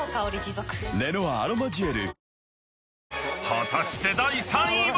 ［果たして第３位は？］